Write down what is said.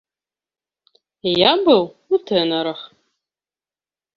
Я быў у тэнарах.